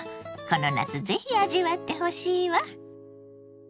この夏ぜひ味わってほしいわ。